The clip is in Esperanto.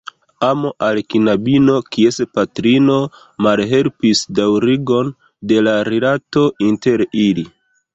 Amo al knabino, kies patrino malhelpis daŭrigon de la rilato inter ili.